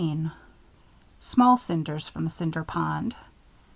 Small Cinders from the Cinder Pond.